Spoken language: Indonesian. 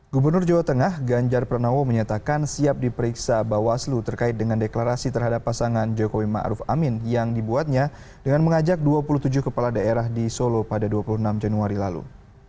gubernur jawa tengah ganjar pranowo menyatakan siap diperiksa bawaslu terkait dengan deklarasi terhadap pasangan jokowi ⁇ maruf ⁇ amin yang dibuatnya dengan mengajak dua puluh tujuh kepala daerah di solo pada dua puluh enam januari lalu